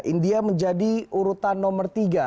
india menjadi urutan nomor tiga